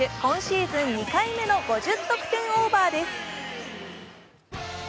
エンビード選手、今シーズン２回目の５０得点オーバーです。